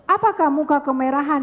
apakah muka kemerahan